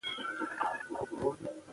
هغې نورې نجونې هم لیدلې وې.